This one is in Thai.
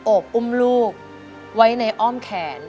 บอุ้มลูกไว้ในอ้อมแขน